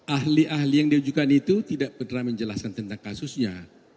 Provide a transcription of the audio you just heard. ahli yang diajukan itu tidak benar benar menjelaskan tentang kasusnya